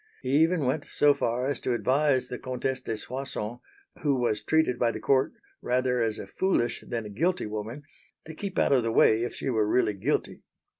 He even went so far as to advise the Comtesse de Soissons who was treated by the Court rather as a foolish than a guilty woman, to keep out of the way if she were really guilty.